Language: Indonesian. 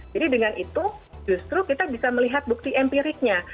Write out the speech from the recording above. jadi dengan itu justru kita bisa melihat bukti empiriknya